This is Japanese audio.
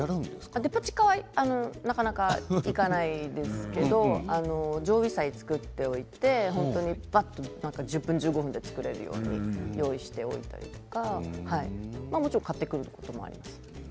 デパ地下はなかなか行かないですけど常備菜を作っておいて１０分、１５分で作れるように用意しておくとかもちろん買ってくることもあります。